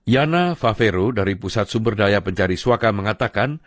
yana fafero dari pusat sumber daya pencari swaka mengatakan